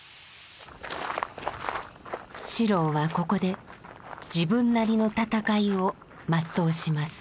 四郎はここで自分なりの戦いを全うします。